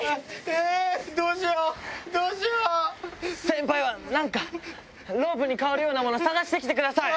えー、どうしよう、どうしよ先輩はなんか、ロープに代わるようなもの探してきてください。